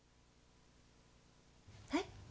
はい？